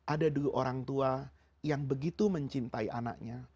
ada dulu orang tua yang begitu mencintai anaknya